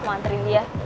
mau anterin dia